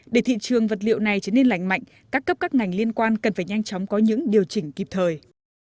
để thị trường vật liệu này trở nên lành mạnh các cấp các ngành liên quan cần phải nhanh chóng có những điều chỉnh kịp thời